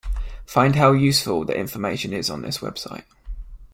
Find how useful the information is on the website.